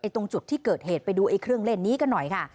ตรงจุดที่เกิดเหตุไปดูเครื่องเล่นนี้กันหน่อยค่ะ